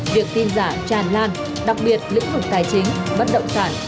việc tin giả tràn lan đặc biệt lĩnh vực tài chính bất động sản